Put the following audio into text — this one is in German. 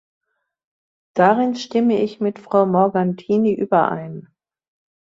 Darin stimme ich mit Frau Morgantini überein.